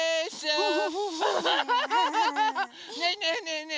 ねえねえねえね